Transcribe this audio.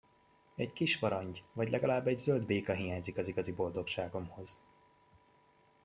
Egy kisvarangy, vagy legalább égy zöld béka hiányzik az igazi boldogságomhoz!